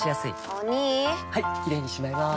お兄はいキレイにしまいます！